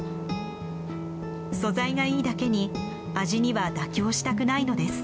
素材がいいだけに味には妥協したくないのです。